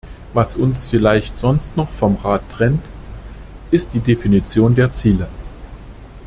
Was uns vielleicht sonst noch vom Rat trennt, ist die Definition der Ziele.